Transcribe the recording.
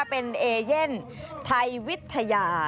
เป็นเอเย่นไทยวิทยา